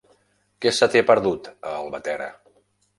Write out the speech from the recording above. Què se t'hi ha perdut, a Albatera?